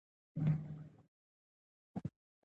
استاد په ټولنه کي د افراطي او تفریطي فکرونو د مخنیوي مخکښ دی.